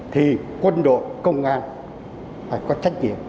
thì quân đội công an phải có trách nhiệm